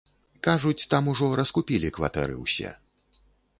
Кажуць, там ужо раскупілі кватэры ўсе.